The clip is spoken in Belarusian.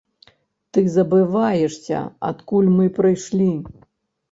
Ты забываешся, адкуль мы прыйшлі.